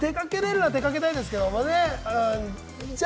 出かけられるなら出かけたいですけどね。